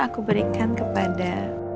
aku berikan kepada